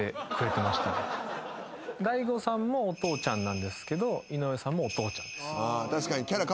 大悟さんもお父ちゃんなんですけど井上さんもお父ちゃんです。